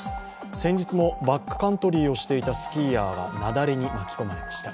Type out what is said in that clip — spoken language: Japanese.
先日もバックカントリーをしていたスキーヤーが雪崩に巻き込まれました。